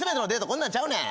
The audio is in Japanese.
こんなんちゃうねん。